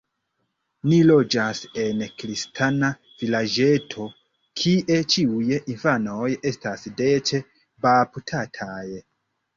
Ni loĝas en kristana vilaĝeto, kie ĉiuj infanoj estas dece baptataj.